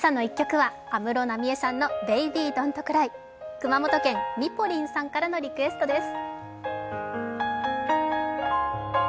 熊本県のみぽりんさんからのリクエストです。